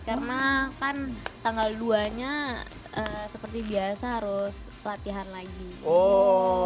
karena kan tanggal dua nya seperti biasa harus latihan lagi